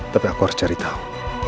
tapi aku harus cari tahu